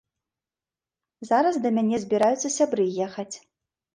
Зараз да мяне збіраюцца сябры ехаць.